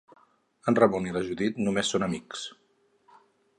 En Ramon i la Judit només són amics.